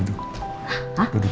iya pak bos